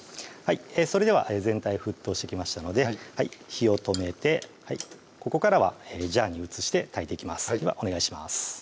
それでは全体沸騰してきましたので火を止めてここからはジャーに移して炊いていきますではお願いします